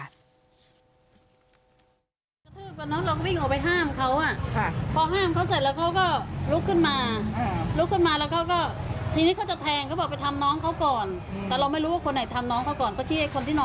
รู้เป็นเข้าห่วงคนนั้นมันโดนกระทืบไง